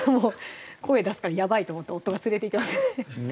声出すからやばいと思って夫が連れていってますね